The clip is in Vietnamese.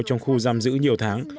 trong khu giam giữ nhiều tháng